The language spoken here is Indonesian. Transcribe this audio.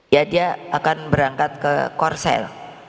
ya dia akan berangkat ke korsel